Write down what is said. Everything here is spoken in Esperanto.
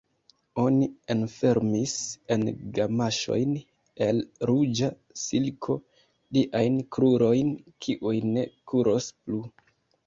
Oni enfermis en gamaŝojn el ruĝa silko liajn krurojn, kiuj ne kuros plu.